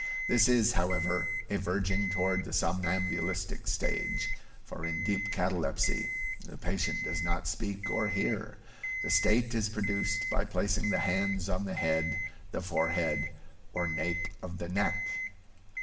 This is, however, a verging toward the somnambulistic stage, for in deep catalepsy the patient does not speak or hear. The state is produced by placing the hands on the head, the forehead, or nape of the neck.